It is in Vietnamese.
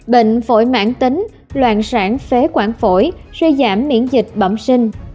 bệnh phổi mãn tính loạn sản phế quản phổi suy giảm miễn dịch bẩm sinh